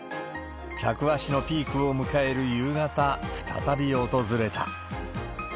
客足のピークを迎える夕方、再び訪れた。